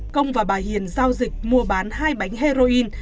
công và bà hiền giao dịch mua bán hai bánh heroin